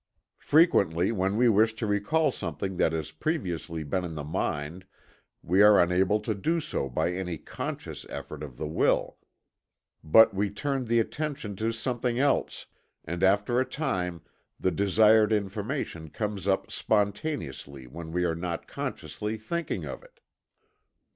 Frequently when we wish to recall something that has previously been in the mind we are unable to do so by any conscious effort of the will; but we turn the attention to something else, and after a time the desired information comes up spontaneously when we are not consciously thinking of it."